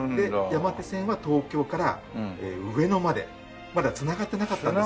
山手線は東京から上野までまだ繋がってなかったんです。